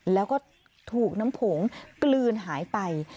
แล้วก็ถูกน้ำโขงกลืนหายไป